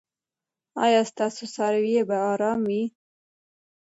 ایا ستاسو څاروي به ارام وي؟